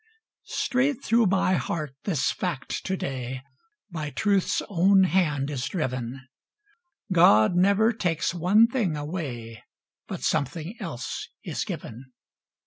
Straight through my heart this fact to day, By Truth's own hand is driven: God never takes one thing away, But something else is given.